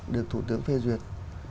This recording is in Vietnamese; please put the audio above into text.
được thủ tướng phê duyệt